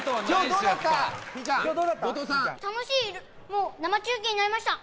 楽しい生中継になりました！